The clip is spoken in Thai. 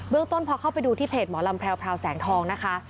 ต้นพอเข้าไปดูที่เพจหมอลำแพรวแสงทองนะคะ